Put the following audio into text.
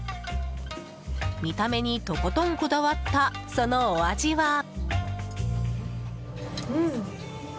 見た目に、とことんこだわったそのお味は。